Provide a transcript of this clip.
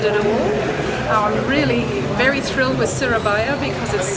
saya sangat senang dengan surabaya karena sangat berwarna merah dan ada banyak hutan